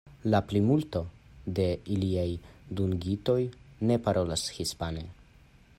La plimulto de iliaj dungitoj ne parolas hispane.